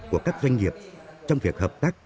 của các doanh nghiệp trong việc hợp tác